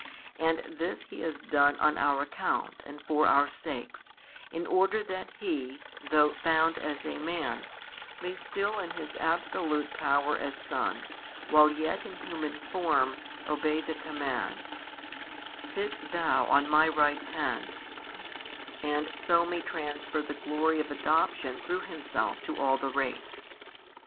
And this He has done on our account and for our sakes, in order that He, though found as a man, may still in His absolute power as Son, while yet in human form, obey the command: Sit Thou on My right hand, and so may transfer the glory of adoption through Himself to all the race.